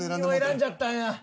選んじゃったんや。